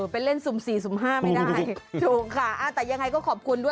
ไปเล่นสุ่มสี่สุ่มห้าไม่ได้ถูกค่ะแต่ยังไงก็ขอบคุณด้วย